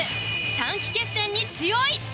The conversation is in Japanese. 短期決戦に強い！